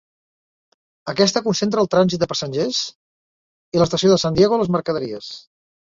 Aquesta concentra el trànsit de passatgers i l'estació de San Diego les mercaderies.